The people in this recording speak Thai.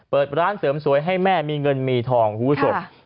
เปิดร้านเสริมสวยให้แม่มีเงินมีทองคุณผู้ชม